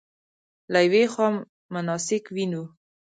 له یوې خوا مناسک وینو.